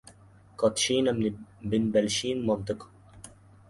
قد شين من بالشين منطقه